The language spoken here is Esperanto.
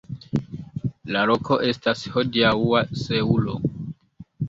La loko estas hodiaŭa Seulo.